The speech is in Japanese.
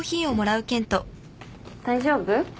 大丈夫？